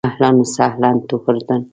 اهلاً و سهلاً ټو اردن.